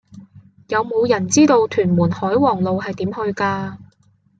有無人知道屯門海皇路係點去㗎